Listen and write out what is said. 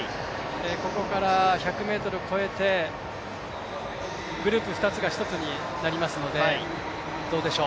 ここから１００ｍ超えてグループ２つが１つになりますのでどうでしょう。